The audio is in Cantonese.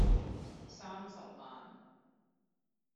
三十萬